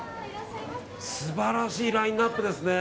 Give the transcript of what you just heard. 素晴らしいラインアップですね。